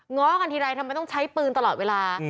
้อกันทีไรทำไมต้องใช้ปืนตลอดเวลา